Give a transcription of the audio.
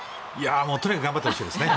とにかく頑張ってほしいですね。